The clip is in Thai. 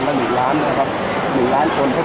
ตอนนี้การเชี่ยวจามันไม่มีควรหยุด